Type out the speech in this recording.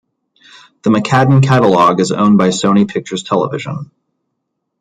The McCadden catalog is owned by Sony Pictures Television.